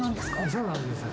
そうなんです。